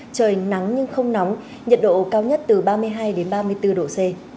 trời nắng nhưng không nóng nhiệt độ cao nhất từ ba mươi hai đến ba mươi bốn độ c